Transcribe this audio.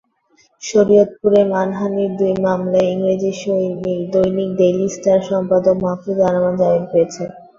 শরীয়তপুরে মানহানির দুই মামলায় ইংরেজি দৈনিক ডেইলি স্টার সম্পাদক মাহফুজ আনাম জামিন পেয়েছেন।